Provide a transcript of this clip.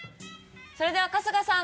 それでは春日さん